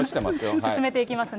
進めていきますね。